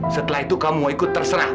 setelah itu kamu ikut terserah